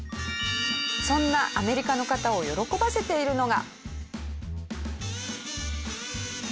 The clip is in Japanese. そんなアメリカの方を喜ばせているのが。